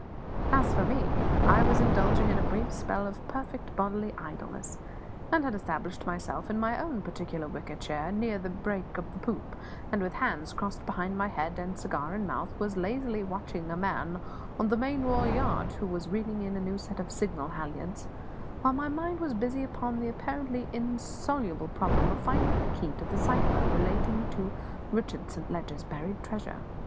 As for me, I was indulging in a brief spell of perfect bodily idleness, and had established myself in my own particular wicker chair, near the break of the poop, and, with hands crossed behind my head and cigar in mouth, was lazily watching a man on the main royal yard who was reeving a new set of signal halliards, while my mind was busy upon the apparently insoluble problem of finding the key to the cipher relating to Richard Saint Leger's buried treasure.